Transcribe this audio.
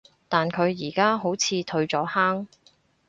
但佢而家好似退咗坑